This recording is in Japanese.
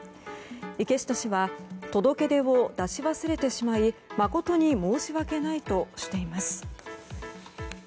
池下氏は届け出を出し忘れてしまい誠に申し訳ないとしています。